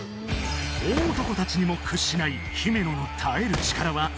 大男たちにも屈しない姫野の櫻井がん！